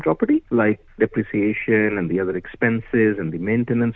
seperti depresi uang lainnya dan pemegangannya harga